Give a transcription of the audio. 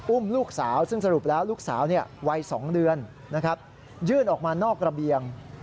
ลูกสาวซึ่งสรุปแล้วลูกสาววัย๒เดือนยื่นออกมานอกระเบียง